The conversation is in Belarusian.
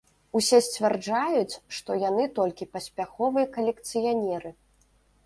Усе сцвярджаюць, што яны толькі паспяховыя калекцыянеры.